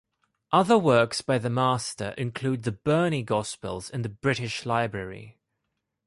Other works by the master include the Burney Gospels in the British Library.